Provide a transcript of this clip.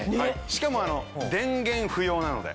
しかも。